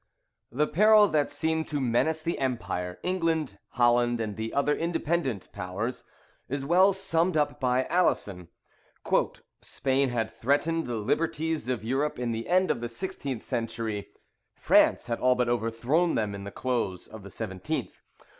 The peril that seemed to menace the empire, England, Holland, and the other independent powers, is well summed up by Alison: "Spain had threatened the liberties of Europe in the end of the sixteenth century, France had all but overthrown them in the close of the seventeenth.